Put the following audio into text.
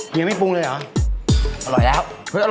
ยินดีด้วย